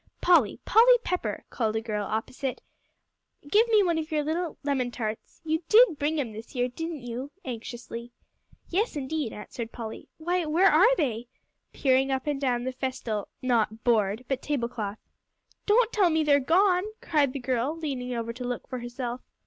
"Polly, Polly Pepper," called a girl opposite, "give me one of your little lemon tarts. You did bring 'em this year, didn't you?" anxiously. "Yes, indeed," answered Polly; "why, where are they?" peering up and down the festal, not "board," but tablecloth. "Don't tell me they are gone," cried the girl, leaning over to look for herself.